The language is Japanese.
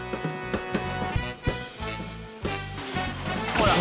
ほら。